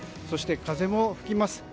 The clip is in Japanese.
そして、風も吹きます。